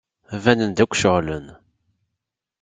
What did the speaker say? Banen-d akk ceɣlen.